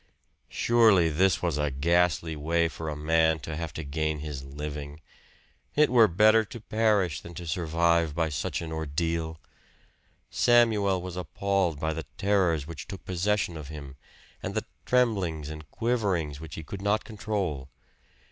Surely this was a ghastly way for a man to have to gain his living it were better to perish than to survive by such an ordeal! Samuel was appalled by the terrors which took possession of him, and the tremblings and quiverings which he could not control.